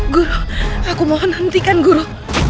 guru aku mohon hentikan guru